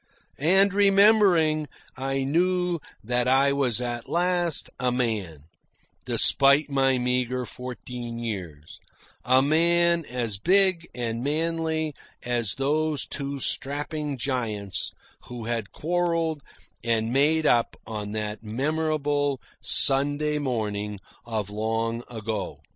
And, remembering, I knew that I was at last a man despite my meagre fourteen years a man as big and manly as those two strapping giants who had quarrelled and made up on that memorable Sunday morning of long ago.